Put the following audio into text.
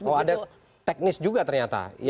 oh ada teknis juga ternyata